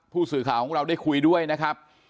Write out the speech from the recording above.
ผู้สื่อข่าวของเราได้คุยด้วยนะครับ